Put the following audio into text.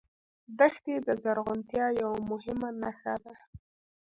دښتې د زرغونتیا یوه مهمه نښه ده.